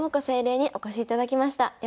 清麗にお越しいただきました。